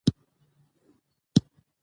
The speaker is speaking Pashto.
موږ خپل اهداف په مرحله کې ټاکو.